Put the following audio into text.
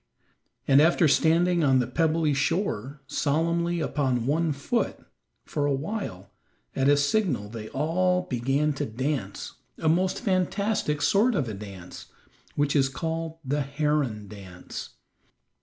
And after standing on the pebbly shore solemnly upon one foot, for a while, at a signal they all began to dance a most fantastic sort of a dance, which is called "the heron dance."